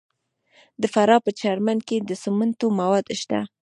د فراه په پرچمن کې د سمنټو مواد شته.